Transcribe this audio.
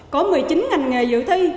có một mươi chín ngành nghề dự thi